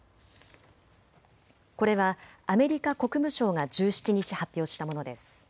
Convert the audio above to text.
これはアメリカ国務省が１７日発表したものです。